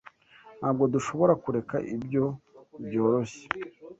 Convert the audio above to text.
Ntabwo dushobora kureka ibyo byoroshye.